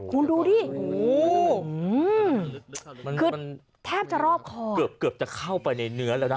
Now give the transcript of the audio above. คุณดูดิโอ้โหคือมันแทบจะรอบคอเกือบจะเข้าไปในเนื้อแล้วนะ